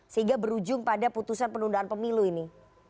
sehingga berujung pada putusan penundaan pemilu ini